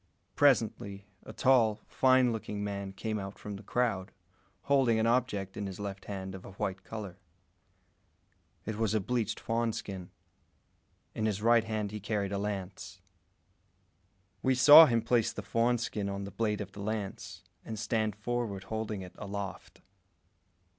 Presently, a tall, fine looking man came out from the crowd, holding an object in his left hand of a white colour. It was a bleached fawn skin. In his right hand he carried a lance. We saw him place the fawn skin on the blade of the lance, and stand forward holding it aloft.